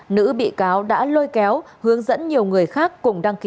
nữ bị cáo đã lôi kéo hướng dẫn nhiều người khác cùng đăng ký